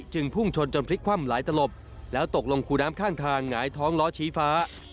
พุ่งชนจนพลิกคว่ำหลายตลบแล้วตกลงคูน้ำข้างทางหงายท้องล้อชี้ฟ้า